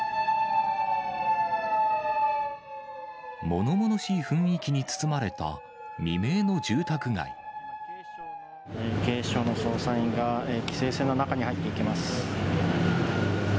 ものものしい雰囲気に包まれた、警視庁の捜査員が規制線の中に入っていきます。